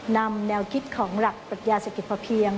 นำแนวคิดของหลักปรัชญาเศรษฐกิจพอเพียง